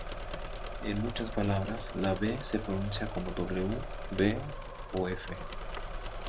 En muchas palabras, la "b" se pronuncia como "w," "v", o "f".